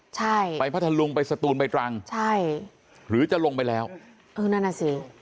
ใช่ไปพัทธลุงไปสตูนไปตรังใช่หรือจะลงไปแล้วเออนั่นน่ะสิ